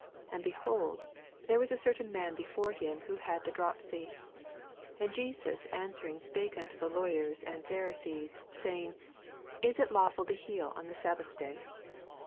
2 And, behold, there was a certain man before him which hod the dropsy. 8 And Josns answering spake anto the Lawyers and Pharisees, saying, Is it lawful to heal on the sabbath day?